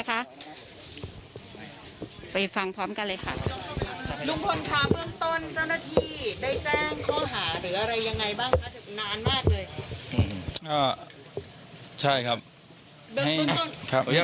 ข้อหาหรืออะไรยังไงบ้างค่ะนานมากเลยอ่าใช่ครับให้ครับ